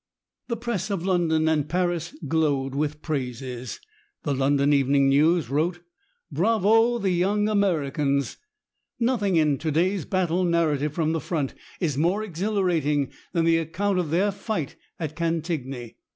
The press of London and Paris glowed with praises. The London Evening News wrote: "Bravo, the young Americans! Nothing in to day's battle narrative from the front is more exhilarating than the account of their fight at Cantigny.